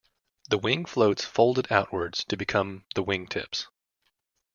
The wing floats folded outwards to become the wingtips.